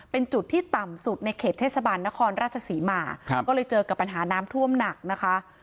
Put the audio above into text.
เป็นจุดที่ต่ำสุดในเขตเทศบาลนครราชศรีมาก็เลยเจอกับปัญหาน้ำท่วมหนักนะคะ